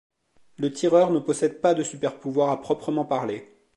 Le Tireur ne possède pas de super-pouvoirs à proprement parler.